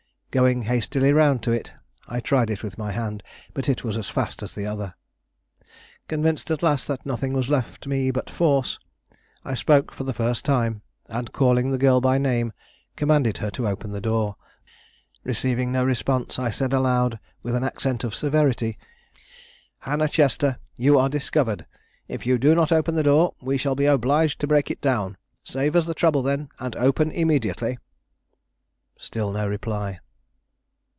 Going hastily around to it, I tried it with my hand. But it was as fast as the other. Convinced at last that nothing was left me but force, I spoke for the first time, and, calling the girl by name, commanded her to open the door. Receiving no response, I said aloud with an accent of severity: "Hannah Chester, you are discovered; if you do not open the door, we shall be obliged to break it down; save us the trouble, then, and open immediately." Still no reply.